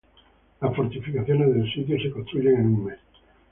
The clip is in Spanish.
Las fortificaciones del sitio se construyen en un mes.